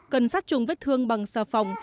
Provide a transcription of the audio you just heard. cần sát trùng vết thương bằng xà phòng